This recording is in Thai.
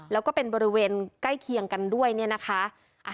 แล้วก็เป็นบริเวณใกล้เคียงกันด้วยเนี่ยนะคะ